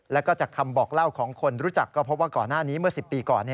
แล้วก็จากคำบอกเล่าของคนรู้จักก็พบว่าก่อนหน้านี้เมื่อ๑๐ปีก่อน